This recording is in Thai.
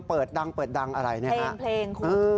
เปิดดังอิเลยเนี่ยค่ะเพลง